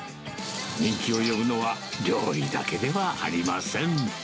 人気を呼ぶのは、料理だけではあ